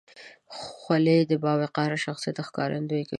خولۍ د باوقاره شخصیت ښکارندویي کوي.